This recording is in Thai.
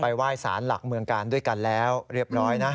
ไหว้สารหลักเมืองกาลด้วยกันแล้วเรียบร้อยนะ